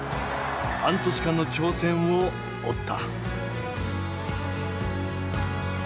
半年間の挑戦を追った。